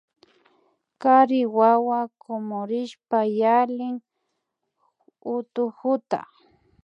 Kari wawa kumurishpa yalin hutkuta